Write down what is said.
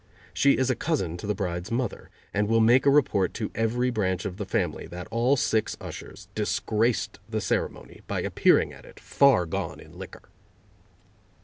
She is a cousin to the bride's mother, and will make a report to every branch of the family that all six ushers disgraced the ceremony by appearing at it far gone in liquor.